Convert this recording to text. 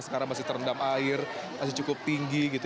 sekarang masih terendam air masih cukup tinggi gitu